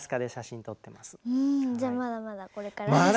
うんじゃあまだまだこれからですね。